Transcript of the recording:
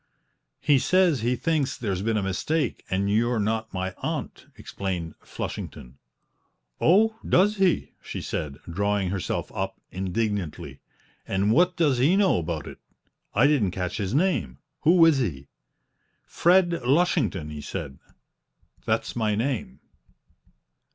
"He says he thinks there's been a mistake, and you're not my aunt," explained Flushington. "Oh, does he?" she said, drawing herself up indignantly. "And what does he know about it? I didn't catch his name who is he?" "Fred Lushington," he said; "that's my name."